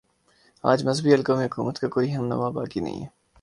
آج مذہبی حلقوں میں حکومت کا کوئی ہم نوا باقی نہیں ہے